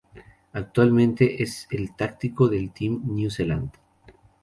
Actualmente es el táctico del Team New Zealand.